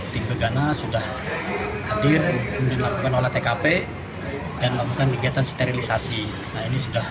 tingkat gana sudah hadir melakukan olah tkp dan melakukan kegiatan sterilisasi ini sudah